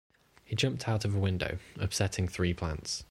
He jumped out of a window, upsetting three plants.